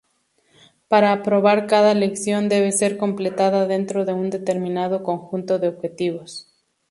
Para aprobar cada lección, debe ser completada dentro de un determinado conjunto de objetivos.